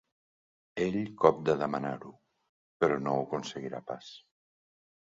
Ell cop de demanar-ho, però no ho aconseguirà pas.